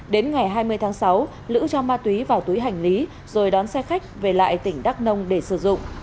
đến ngày hai mươi tháng sáu lữ cho ma túy vào túi hành lý rồi đón xe khách về lại tỉnh đắk nông để sử dụng